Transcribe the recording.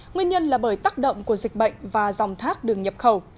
nguyên nhân là bởi tác động của dịch bệnh và dòng thác đường nhập khẩu